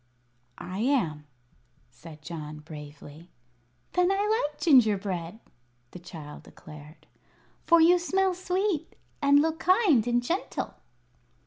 "I am," said John, bravely. "Then I like gingerbread," the child declared; "for you smell sweet and look kind and gentle."